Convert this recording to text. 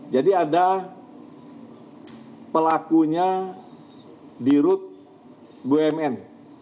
jadi ada pelakunya di rut bumn